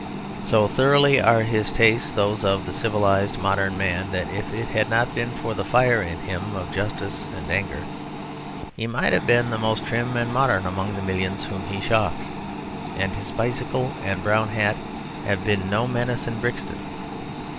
So thoroughly are his tastes those of the civilised modern man that if it had not been for the fire in him of justice and anger he might have been the most trim and modern among the millions whom he shocks: and his bicycle and brown hat have been no menace in Brixton.